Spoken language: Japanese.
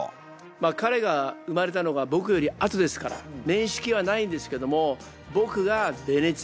まあ彼が生まれたのが僕より後ですから面識はないんですけども。